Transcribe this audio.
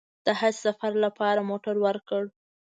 د حج سفر لپاره موټر ورکړ.